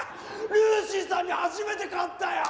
ルーシーさんに初めて勝ったよ！